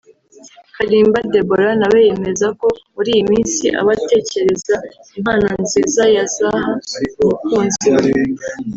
Kalimba Debora nawe yemeza ko muri iyi minsi aba atekereza impano nziza yazaha umukunzi we